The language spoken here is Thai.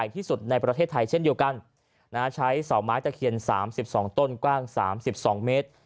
ที่สุดในประเทศไทยเช่นเดียวกันใช้เสาไม้ตะเคียน๓๒ต้นกว้าง๓๒เมตร